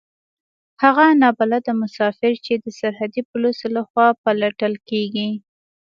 هغه نا بلده مسافر چې د سرحدي پوليسو له خوا پلټل کېږي.